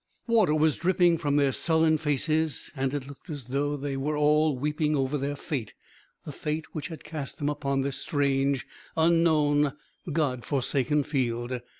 Water was dripping from their sullen faces and it looked as though they were all weeping over their fate the fate which had cast them upon this strange, unknown, God forsaken field.